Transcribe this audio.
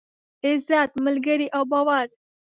عزت، ملگري او باور.